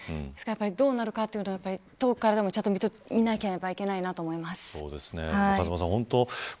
どうなるかというのは遠くからでも見なければいけないなと思います。